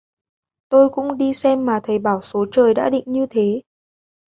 tôi cũng đi xem mà thầy bảo số trời đã định như thế